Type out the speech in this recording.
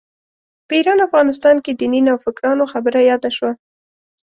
په ایران افغانستان کې دیني نوفکرانو خبره یاده شوه.